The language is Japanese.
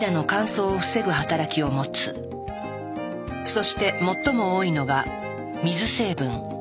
そして最も多いのが水成分。